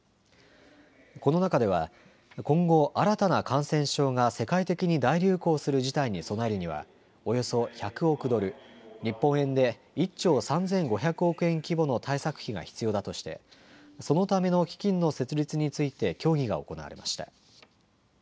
この中では今後、新たな感染症が世界的に大流行する事態に備えるにはおよそ１００億ドル、日本円で１兆３５００億円規模の対策費が必要だとしてそのための基金の設立について協議が行われました。